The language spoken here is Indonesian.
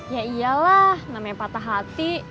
ya iyalah namanya patah hati